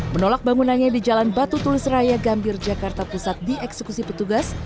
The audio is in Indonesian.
menolak bangunannya di jalan batu tulis raya gambir jakarta pusat dieksekusi petugas